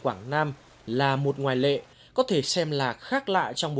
vì mọi người biết rằng